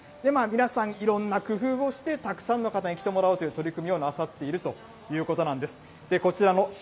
皆さん、いろんな工夫をして、たくさんの方に来てもらおうという取り組みもなさっているということなんです。